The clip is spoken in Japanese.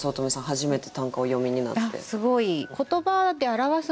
初めて短歌お詠みになって。